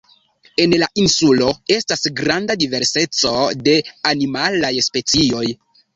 En la insulo, estas granda diverseco de animalaj specioj.